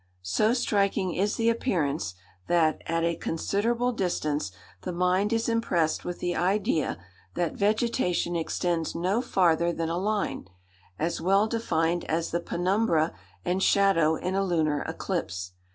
So striking is the appearance, that, at a considerable distance, the mind is impressed with the idea that vegetation extends no farther than a line, as well defined as the penumbra and shadow in a lunar eclipse.